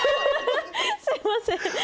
すみません。